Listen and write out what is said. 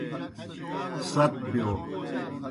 ست بِیو۔